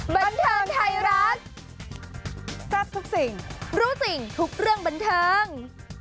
บันเทิงไทยรัฐทรัพย์ทุกสิ่งรู้จริงทุกเรื่องบันเทิง